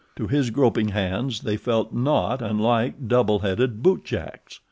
To his groping hands they felt not unlike double headed bootjacks.